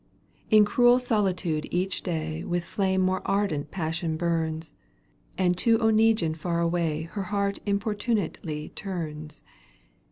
In cruel solitude each day A I With flame more ardent passion bums, ' Aцd to Oneguine far away Her heart importunately turns.